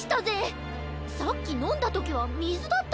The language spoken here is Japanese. さっきのんだときはみずだったのに。